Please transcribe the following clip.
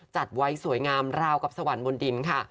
จัดไว้สวยงามราวกับสวรรค์บนดินค่ะ